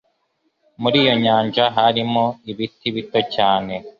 muri iyo nyanja harimo ibiti bito cyane